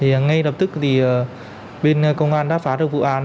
ngay lập tức thì bên công an đã phá được vụ án